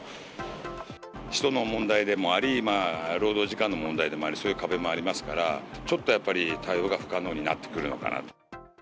人の問題でもあり、労働時間の問題でもあり、そういう壁もありますから、ちょっとやっぱり、対応が不可能になってくるのかなと。